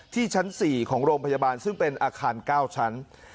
ที่ชั้น๔ของโรงพยาบาลซึ่งเป็นอาคาร๙ชั้น